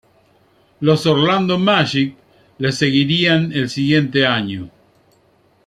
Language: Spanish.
Los Orlando Magic les seguirían el siguiente año.